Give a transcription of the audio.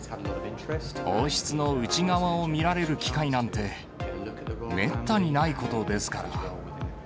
王室の内側を見られる機会なんて、めったにないことですから。